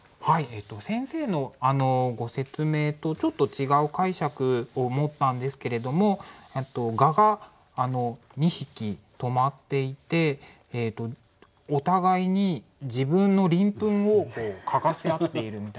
先生のご説明とちょっと違う解釈を持ったんですけれども蛾が２匹止まっていてお互いに自分の鱗粉を嗅がせあっているみたいな